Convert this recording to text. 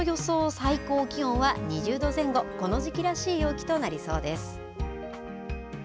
最高気温は２０度前後この時期らしい陽気となりそうです。